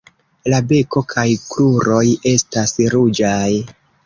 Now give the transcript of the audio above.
La beko kaj kruroj estas ruĝaj.